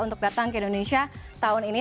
untuk datang ke indonesia tahun ini